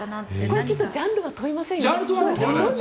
これきっとジャンルは問いませんよね。